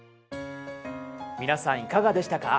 皆さんいかがでしたか？